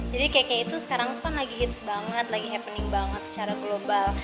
jadi cake nya itu sekarang itu kan lagi hits banget lagi happening banget secara global